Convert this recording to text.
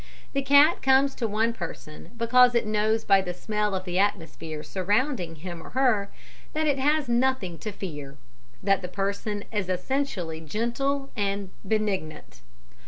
The cat comes to one person because it knows by the smell of the atmosphere surrounding him, or her, that it has nothing to fear that the person is essentially gentle and benignant.